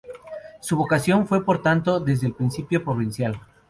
Su vocación fue por tanto desde el principio provincial.